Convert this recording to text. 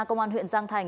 công an huyện giang thành